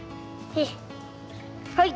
はい。